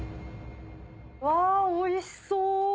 わぁおいしそう！